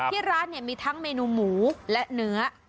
ที่ร้านมีทั้งเมนูหมูและเนื้อ